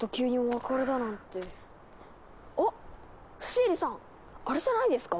シエリさんあれじゃないですか？